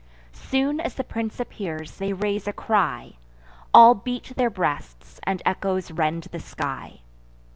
Soon as the prince appears, they raise a cry; All beat their breasts, and echoes rend the sky.